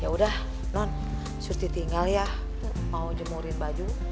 yaudah non suruh dia tinggal ya mau jemurin baju